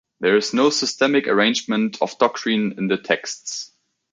There is no systematic arrangement of doctrine in the texts.